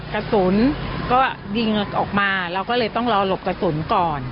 กระสุนก็ยิงออกมาเราก็เลยต้องรอหลบกระสุนก่อน